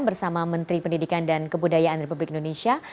bersama menteri pendidikan dan kebudayaan republik indonesia